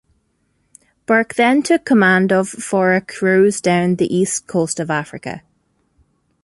Burke then took command of for a cruise down the east coast of Africa.